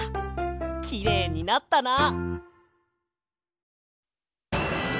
きれいになったな！